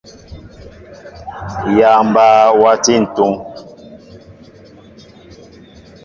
Yááŋ mbaa wati ntúŋ.